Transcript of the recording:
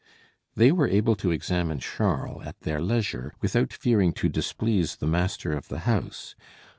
They were able to examine Charles at their leisure without fearing to displease the master of the house.